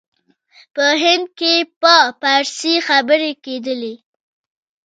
په هند کې په فارسي خبري کېدلې.